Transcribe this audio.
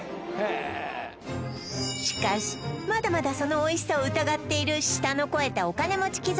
しかしまだまだそのおいしさを疑っている舌の肥えたお金持ち